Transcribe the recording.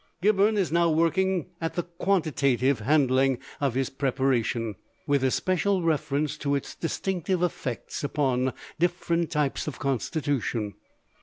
Gibberne is now working at the quantitative handling of his preparation, with especial reference to its distinctive effects upon different types of constitution.